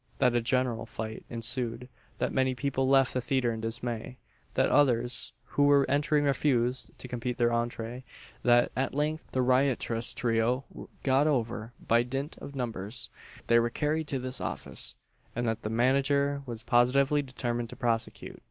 That a general fight ensued that many people left the theatre in dismay that others who were entering refused to complete their entrée that at length the riotous trio were got over by dint of numbers that they were carried to this office and that the manager was positively determined to prosecute!